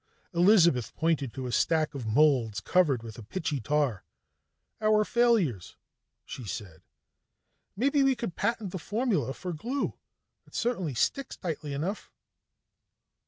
Elizabeth pointed to a stack of molds covered with a pitchy tar. "Our failures," she said. "Maybe we could patent the formula for glue. It certainly sticks tightly enough."